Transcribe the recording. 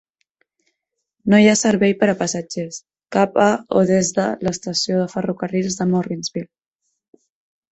No hi ha servei per a passatgers cap a o des de l'estació de ferrocarrils de Morrinsville.